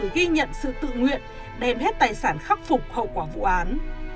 ghi nhận sự tự nguyện đem hết tài sản khắc phục hậu quả vụ án